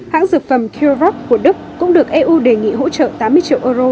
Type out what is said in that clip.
hãng dược phẩm kerevak của đức cũng được eu đề nghị hỗ trợ tám mươi triệu euro